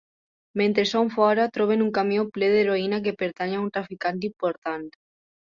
Mentre són fora, troben un camió ple d'heroïna que pertany a un traficant important.